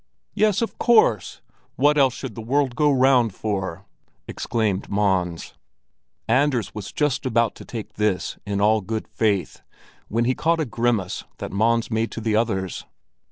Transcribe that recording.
"Yes, of course! What else should the world go round for?" exclaimed Mons. Anders was just about to take this in all good faith when he caught a grimace that Mons made to the others.